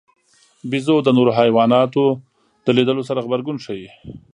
بیزو د نورو حیواناتو د لیدلو سره غبرګون ښيي.